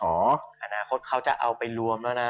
อนาคตเขาจะเอาไปรวมแล้วนะ